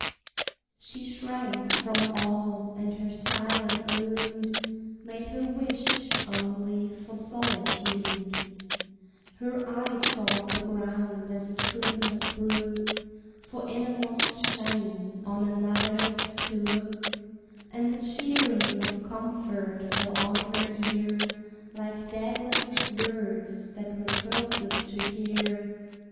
She shrank from all, and her silent mood Made her wish only for solitude: Her eye sought the ground, as it could not brook, For innermost shame, on another's to look; And the cheerings of comfort fell on her ear Like deadliest words, that were curses to hear!